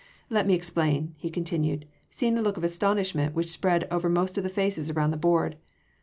Let me explain," he continued, seeing the look of astonishment which spread over most of the faces around the board.